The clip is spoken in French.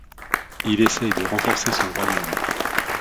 Il essaye de renforcer son royaume.